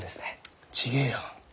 違えよ。